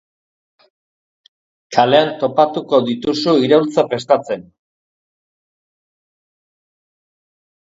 Kalean topatuko dituzu, iraultza prestatzen.